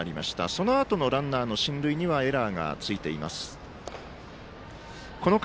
そのあとのランナーの進塁にはエラーがついています。